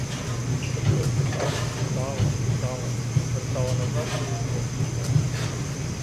Ходила світами, питала, шукала, вертала назад і знов ішла.